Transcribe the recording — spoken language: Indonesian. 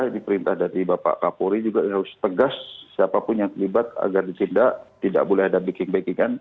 di perintah dari bapak kapolri juga harus tegas siapapun yang terlibat agar tidak boleh ada bikin bikin